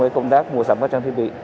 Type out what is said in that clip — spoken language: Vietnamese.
các mùa sắm các trang thiết bị